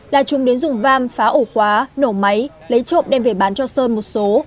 là chúng đến dùng vam phá ổ khóa nổ máy lấy trộm đem về bán cho sơn một số